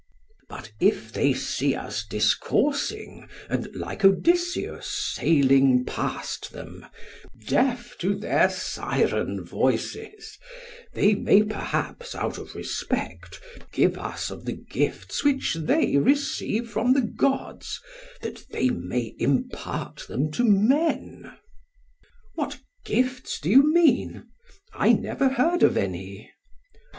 But if they see us discoursing, and like Odysseus sailing past them, deaf to their siren voices, they may perhaps, out of respect, give us of the gifts which they receive from the gods that they may impart them to men. PHAEDRUS: What gifts do you mean? I never heard of any.